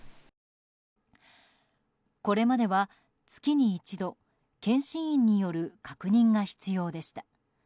これまでは月に一度検針員による確認が必要でした。